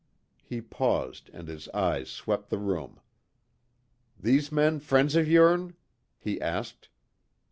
He paused and his eyes swept the room: "These men friends of yourn?" he asked.